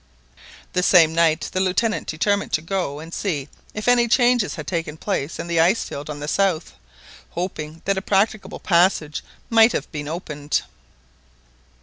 The same night the Lieutenant determined to go and see if any changes had taken place in the ice field on the south, hoping that a practicable passage might have been opened.